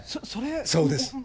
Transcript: そうです。